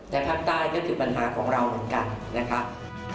แต่ภาคใต้ก็คือปัญหาของเราเหมือนกันนะครับ